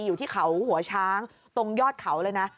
อยู่ที่เขาหัวช้างตรงยอดเขาเลยนะ